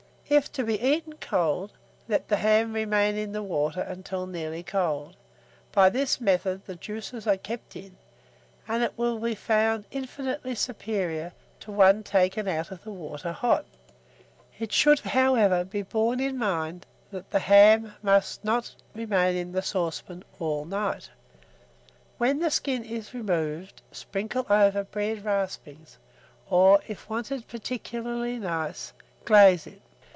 If to be eaten cold, let the ham remain in the water until nearly cold: by this method the juices are kept in, and it will be found infinitely superior to one taken out of the water hot; it should, however, be borne in mind that the ham must not remain in the saucepan all night. When the skin is removed, sprinkle over bread raspings, or, if wanted particularly nice, glaze it.